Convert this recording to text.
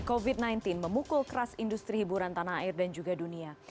covid sembilan belas memukul keras industri hiburan tanah air dan juga dunia